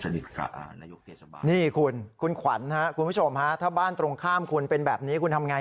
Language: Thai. นี่คุณคุณขวัญครับคุณผู้ชมฮะถ้าบ้านตรงข้ามคุณเป็นแบบนี้คุณทำไง